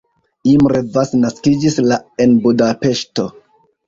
Imre Vas naskiĝis la en Budapeŝto.